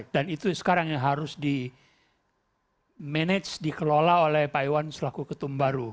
dan itu sekarang yang harus di manage dikelola oleh pak iwan selaku ketum baru